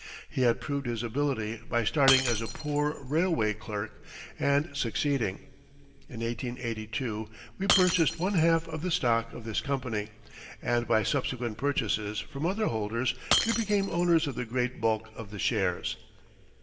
He had proved his ability by starting as a poor railway clerk and succeeding. In 1882 we purchased one half of the stock of this company, and by subsequent purchases from other holders we became owners of the great bulk of the shares.